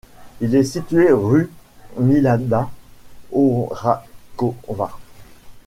Il est situé rue Milada Horáková.